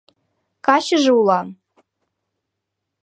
Качыже улам!»